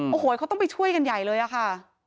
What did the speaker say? โอ้โหเขาต้องไปช่วยกันใหญ่เลยอะค่ะ